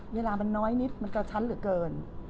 เวลามันน้อยนิดมันกระชั้นเหลือเกิน